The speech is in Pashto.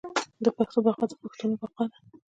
د پښتو بقا د پښتنو بقا ده.